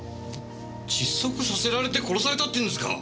窒息させられて殺されたっていうんですか！？